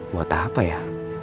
buat apa ya